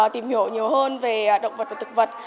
tìm hiểu nhiều hơn về động vật và thực vật